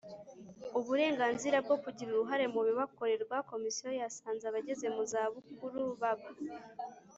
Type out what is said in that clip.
Uburenganzira bwo kugira uruhare mu bibakorerwa Komisiyo yasanze abageze mu zabukuru baba